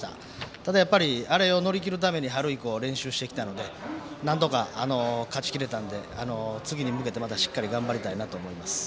ただ、やっぱりあれを乗り切るために春以降練習してきたのでなんとか勝ちきれたので次に向けてしっかり頑張りたいなと思います。